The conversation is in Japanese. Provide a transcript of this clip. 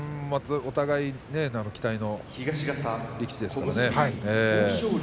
お互い期待の力士ですね。